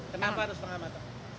kenapa harus setengah matang